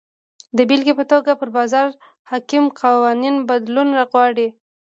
د بېلګې په توګه پر بازار حاکم قوانین بدلون غواړي.